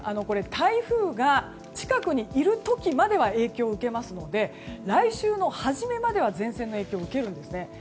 台風が近くにいる時までは影響を受けますので来週の初めまでは前線の影響を受けるんですね。